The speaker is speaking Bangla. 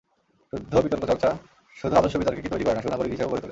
শুদ্ধ বিতর্কচর্চা শুধু আদর্শ বিতার্কিকই তৈরি করে না, সুনাগরিক হিসেবেও গড়ে তোলে।